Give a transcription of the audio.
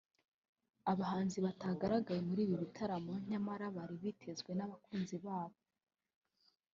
Abahanzi batagaragaye muri ibi bitaramo nyamara bari bitezwe n’abakunzi babo